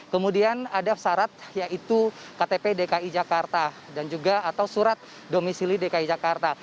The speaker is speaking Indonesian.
kemudian ada syarat yaitu ktp dki jakarta dan juga atau surat domisili dki jakarta